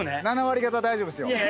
７割方大丈夫ですよ。